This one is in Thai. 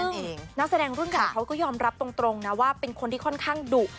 นักแสดงรุ่นใหญ่เขาก็ยอมรับตรงนะว่าเป็นคนที่ค่อนข้างดุ